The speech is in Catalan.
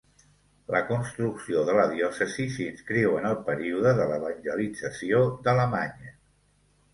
La construcció de la diòcesi s'inscriu en el període de l'evangelització d'Alemanya.